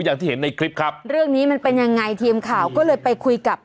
อย่างที่เห็นในคลิปครับเรื่องนี้มันเป็นยังไงทีมข่าวก็เลยไปคุยกับ